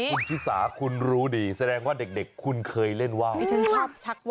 นายนาธิสาคุณรู้สิแสดงว่าเด็กคุณเคยเล่นว่าว